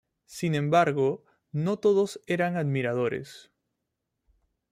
Sin embargo, no todos eran admiradores.